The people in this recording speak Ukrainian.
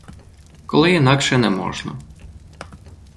Коли інакше не можна.